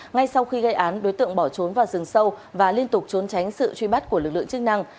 ngay sau khi gây án đối tượng bỏ trốn vào rừng sâu và liên tục trốn tránh sự truy bắt của lực lượng chức năng